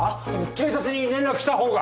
警察に連絡した方が。